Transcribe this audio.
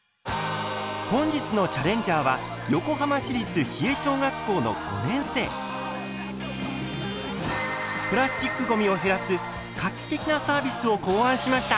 本日のチャレンジャーはプラスチックごみを減らす画期的なサービスを考案しました！